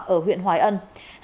ở huyện hoài ân